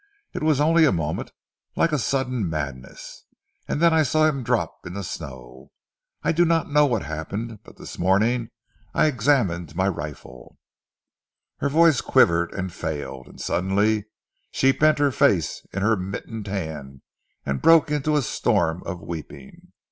It was only a moment like a sudden madness, and then I saw him drop in the snow.... I do not know what happened, but this morning I examined my rifle." Her voice quivered and failed, and suddenly she bent her face in her mittened hand and broke into a storm of weeping.